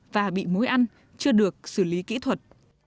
và bị mối ăn chưa được xử lý kỹ thuật